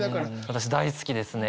私大好きですね。